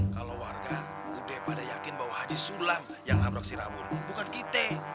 kalo warga udah pada yakin bahwa haji sulam yang nabrak si rabun bukan kita